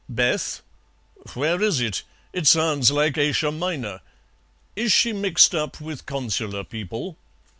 "Beth? Where is it? It sounds like Asia Minor. Is she mixed up with Consular people?"